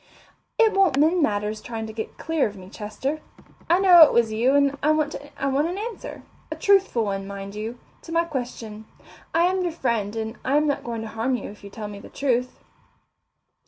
"It won't mend matters trying to get clear of me, Chester. I know it was you and I want an answer a truthful one, mind you to my question. I am your friend, and I am not going to harm you if you tell me the truth."